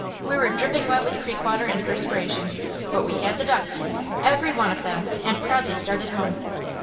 We were dripping wet with creek water and perspiration, but we had the ducks, every one of them, and proudly started home.